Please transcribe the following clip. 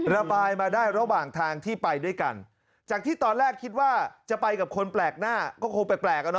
ระบายมาได้ระหว่างทางที่ไปด้วยกันจากที่ตอนแรกคิดว่าจะไปกับคนแปลกหน้าก็คงแปลกอ่ะเน